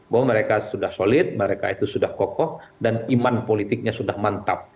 bahwa mereka sudah solid mereka itu sudah kokoh dan iman politiknya sudah mantap